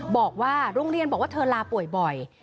บอกว่าโรงเรียนบอกว่าเธอลาป่วยบ่อย